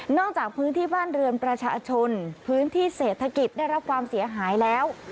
จากพื้นที่บ้านเรือนประชาชนพื้นที่เศรษฐกิจได้รับความเสียหายแล้ว